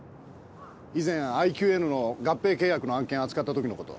以前ＩＱＮの合併契約の案件扱ったときのこと。